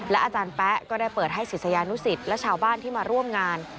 อาจารย์แป๊ะก็ได้เปิดให้ศิษยานุสิตและชาวบ้านที่มาร่วมงาน